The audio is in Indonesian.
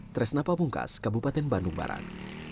tresna pamungkas kabupaten bandung barat